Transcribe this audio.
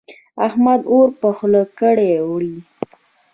احمد اور په خوله کړې وړي.